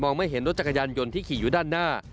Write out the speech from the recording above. ไม่เห็นรถจักรยานยนต์ที่ขี่อยู่ด้านหน้า